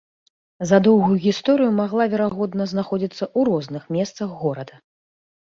За доўгую гісторыю магла, верагодна, знаходзіцца ў розных месцах горада.